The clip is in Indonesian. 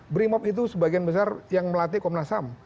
brimop itu sebagian besar yang melatih komnas ham